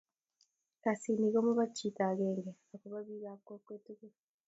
kasit ni komopo chito akenge akopo pik ap kokwet tukul